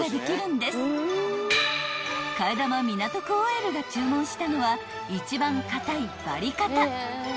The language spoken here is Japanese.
［替玉港区ＯＬが注文したのは一番硬いばりかた］